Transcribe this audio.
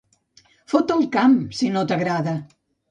Fot el camp, si no t'agrada.